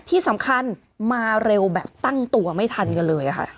ที่สำคัญมาเร็วแบบตั้งตัวไม่ทันกันเลยค่ะ